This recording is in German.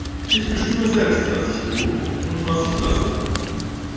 Ich bestimme selbst, was ich tue und was ich lasse.